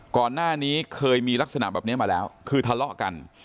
ก่อนหน้านี้เคยมีลักษณะแบบนี้มาแล้วคือทะเลาะกัน